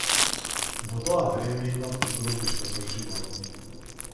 Во тоа време имав гробишта со животни.